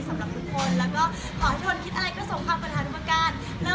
สำหรับทุกคน